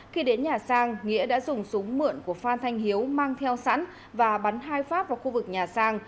khi đến nhà sang nghĩa đã dùng súng mượn của phan thanh hiếu mang theo sẵn và bắn hai phát vào khu vực nhà sang